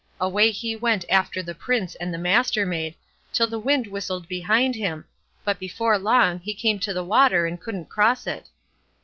Away he went after the Prince and the Mastermaid, till the wind whistled behind him; but before long, he came to the water and couldn't cross it.